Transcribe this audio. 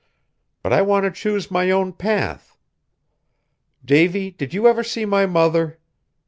But I want to choose my own path. Davy, did you ever see my mother?